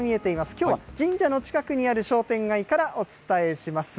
きょうは、神社の近くにある商店街からお伝えします。